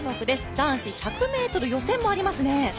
男子１００ｍ予選もありますね。